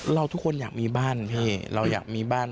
เราทุกคนอยากมีบ้านพี่เราอยากมีบ้าน